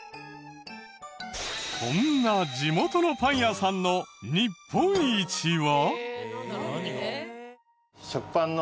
こんな地元のパン屋さんの日本一は？